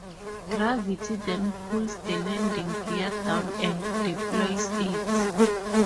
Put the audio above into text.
Gravity then pulls the landing gear down and deploys it.